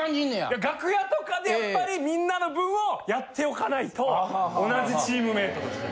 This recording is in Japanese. いや楽屋とかでやっぱりみんなの分をやっておかないと同じチームメイトとして。